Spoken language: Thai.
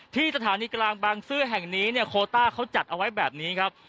ที่สถานีกลางบางซื่อแห่งนี้เนี่ยโคต้าเขาจัดเอาไว้แบบนี้ครับ